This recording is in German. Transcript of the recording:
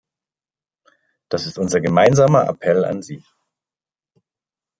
Das ist unser gemeinsamer Appell an Sie.